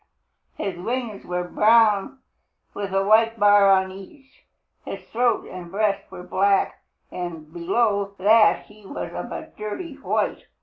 His wings were brown with a white bar on each. His throat and breast were black, and below that he was of a dirty white.